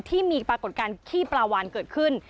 ที่มีปรากฏการณ์ขี้ปลาวานเกิดขึ้น